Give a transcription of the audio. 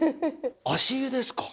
足湯ですか？